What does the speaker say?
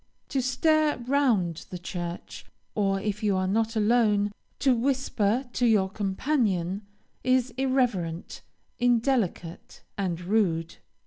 To stare round the church, or if you are not alone, to whisper to your companion, is irreverent, indelicate, and rude.